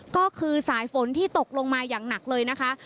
ก็คือสายฝนที่ตกลงมาอย่างหนักเลยนะคะ